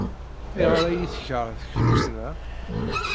Ayɣer ay iyi-tekṛeh teknussna?